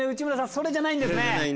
それじゃないんです。